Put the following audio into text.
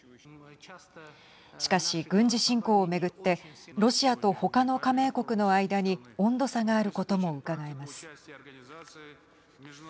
しかし、軍事侵攻をめぐってロシアとほかの加盟国の間に温度差があることもうかがえます。